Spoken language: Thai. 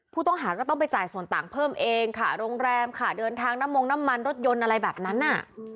ผู้ต้องหาก็ต้องไปจ่ายส่วนต่างเพิ่มเองค่ะโรงแรมค่ะเดินทางน้ำมงน้ำมันรถยนต์อะไรแบบนั้นน่ะ